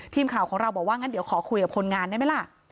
ทีมข่าวของเราบอกว่างั้นเดี๋ยวขอคุยกับคนงานได้ไหมล่ะ